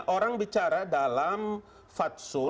orang bicara dalam fatso